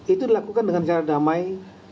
itu dilakukan dengan cara damai